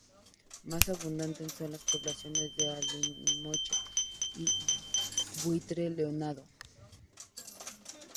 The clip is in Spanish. Más abundantes son las poblaciones de alimoche y buitre leonado.